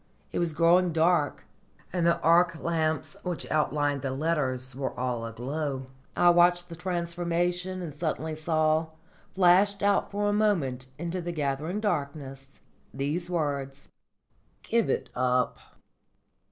It was growing dark, and the arc lamps which outlined the letters were all aglow. I watched the transformation, and suddenly saw, flashed out for a moment into the gathering darkness, these words: "_Give it up.